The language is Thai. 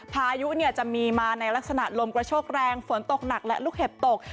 พายุจะมีมาในลักษณะลมกระโชกแรงฝนตกหนักและลูกเห็บตก